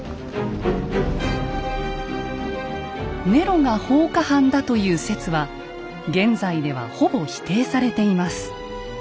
ネロが放火犯だという説は現在ではほぼ否定されています。